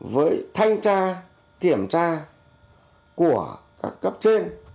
với thanh tra kiểm tra của các cấp trên